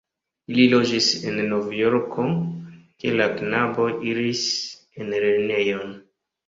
Ili loĝis en Novjorko, kie la knaboj iris en lernejon.